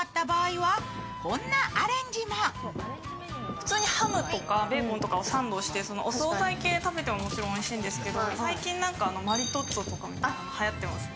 普通にハムとかベーコンをサンドしてお総菜系で食べてももちろんおいしいんですけど、最近マリトッツォとかもはやってますね。